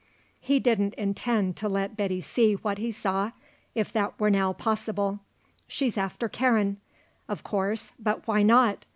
He didn't intend to let Betty see what he saw, if that were now possible. "She's after Karen, of course; but why not?